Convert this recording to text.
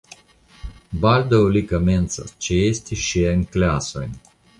Baldaŭ li komencas ĉeesti ŝiajn klasojn.